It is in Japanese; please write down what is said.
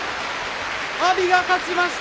阿炎が勝ちました。